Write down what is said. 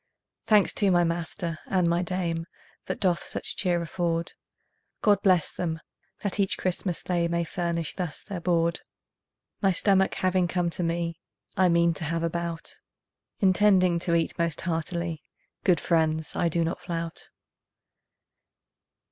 Thanks to my master and my dame That doth such cheer afford; God bless them, that each Christmas they May furnish thus their board. My stomach having come to me, I mean to have a bout, Intending to eat most heartily; Good friends, I do not flout.